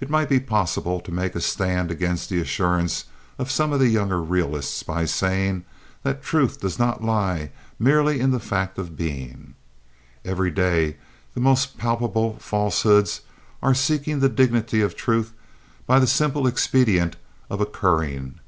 It might be possible to make a stand against the assurance of some of the younger realists by saying that truth does not lie merely in the fact of being. Every day the most palpable falsehoods are seeking the dignity of truth by the simple expedient of occurring.